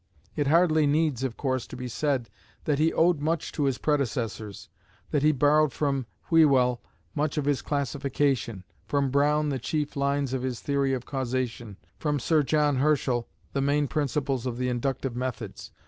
It hardly needs, of course, to be said that he owed much to his predecessors, that he borrowed from Whewell much of his classification, from Brown the chief lines of his theory of causation, from Sir John Herschel the main principles of the inductive methods.